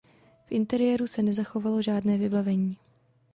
V interiéru se nezachovalo žádné vybavení.